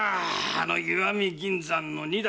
あの石見銀山の荷駄